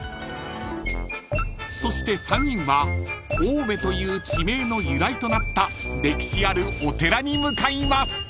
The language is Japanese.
［そして３人は青梅という地名の由来となった歴史あるお寺に向かいます］